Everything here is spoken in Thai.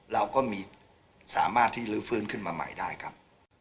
เราก็มีสามารถที่ลื้อฟื้นขึ้นมาใหม่ได้ครับ